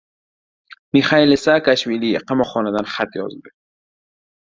Mixail Saakashvili qamoqxonadan xat yozdi